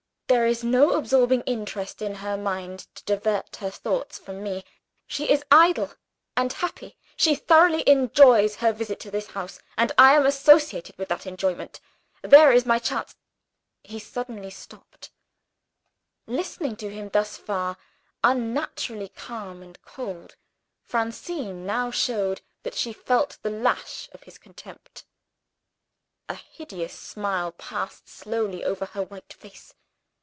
There is no absorbing interest in her mind to divert her thoughts from me. She is idle and happy; she thoroughly enjoys her visit to this house, and I am associated with her enjoyment. There is my chance !" He suddenly stopped. Listening to him thus far, unnaturally calm and cold, Francine now showed that she felt the lash of his contempt. A hideous smile passed slowly over her white face.